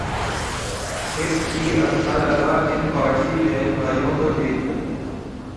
ہت ھی اچھا لگا ان پارسی بہن بھائیوں کو دیکھ کر